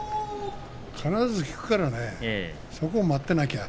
必ず引くからねそこを待ってなきゃ。